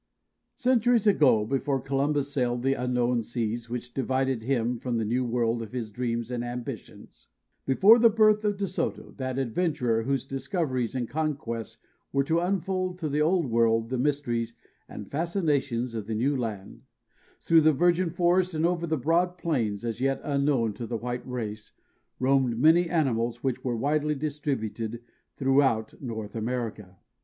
_) Centuries ago, before Columbus sailed the unknown seas which divided him from the New World of his dreams and ambitions, before the birth of De Soto, that adventurer whose discoveries and conquests were to unfold to the Old World the mysteries and fascinations of the new land, through the virgin forest and over the broad plains as yet unknown to the white race, roamed many animals which were widely distributed throughout North America.